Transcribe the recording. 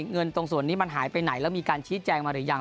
เงินตรงส่วนนี้มันหายไปไหนแล้วมีการชี้แจงมาหรือยัง